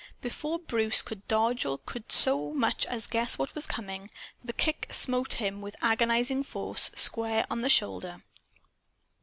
Before Bruce could dodge or could so much as guess what was coming, the kick smote him with agonizing force, square on the shoulder.